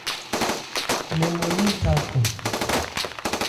Mɛn mân nɛ́n tha cɔn.